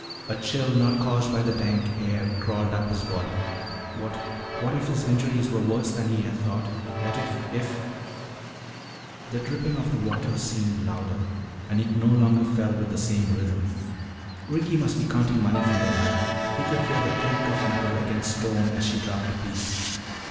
A chill not caused by the dank air crawled up his body. What what if his injuries were worse than he had thought? What if if The dripping of the water seemed louder, and it no longer fell with the same rhythm. Ricky must be counting money from the bag. He could hear the clink of metal against stone as she dropped a piece.